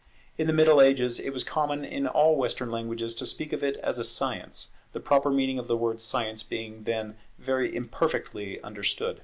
In the Middle Ages it was common in all Western languages to speak of it as a Science, the proper meaning of the word Science being then very imperfectly understood.